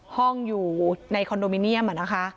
ห้องอยู่ในคอนโดมิเนียมนะคะ